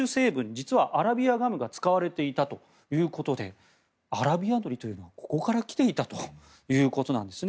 実はアラビアガムが使われていたということでアラビアのりというのもここから来ているということなんですね。